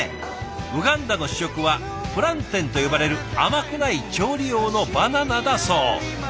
ウガンダの主食はプランテンと呼ばれる甘くない調理用のバナナだそう。